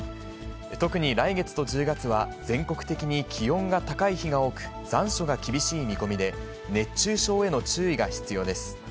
特に来月と１０月は全国的に気温が高い日が多く、残暑が厳しい見込みで、熱中症への注意が必要です。